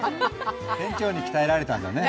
店長に鍛えられたんだね。